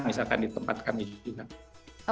misalkan ditempatkan di jogja